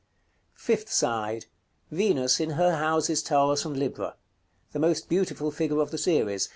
§ CXII. Fifth side. Venus, in her houses Taurus and Libra. The most beautiful figure of the series.